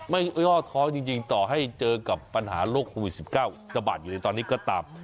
ไม่ย่อท้อจริงต่อให้เจอกับปัญหาโรคโควิด๑๙ระบาดอยู่ในตอนนี้ก็ตาม